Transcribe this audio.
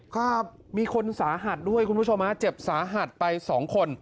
ครับมีคนสาหัสด้วยคุณผู้ชมฮะเจ็บสาหัสไปสองคน